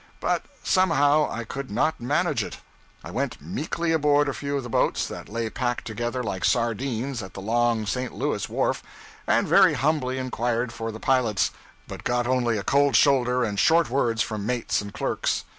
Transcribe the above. But somehow I could not manage it. I went meekly aboard a few of the boats that lay packed together like sardines at the long St. Louis wharf, and very humbly inquired for the pilots, but got only a cold shoulder and short words from mates and clerks.